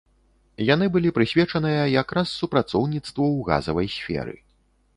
Яны былі прысвечаныя якраз супрацоўніцтву ў газавай сферы.